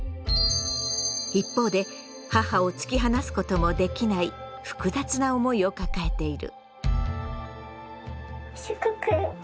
一方で母を突き放すこともできない複雑な思いを抱えている。